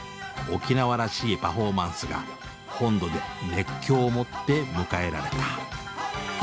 沖縄らしいパフォーマンスが本土で熱狂をもって迎えられた。